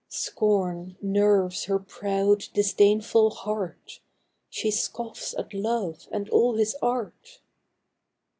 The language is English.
Scorn nerves her proud, disdainful heart ! She scoffs at Love and all his art